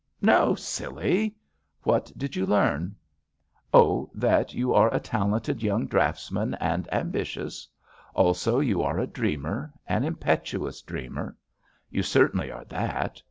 "No, silly." "What did you learn?" "Oh, you are a talented young draughts man, and ambitious. Also, you are a dreamer, an impetuous dreamer. You certainly are that.